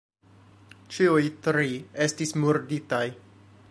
Ĉiuj tri estis murditaj.